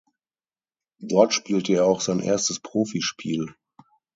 Dort spielte er auch sein erstes Profispiel.